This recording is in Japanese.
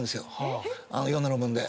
いろんな論文で。